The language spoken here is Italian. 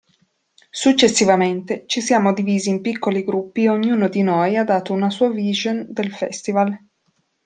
Successivamente, ci siamo divisi in piccoli gruppi e ognuno di noi ha dato una sua vision del festival.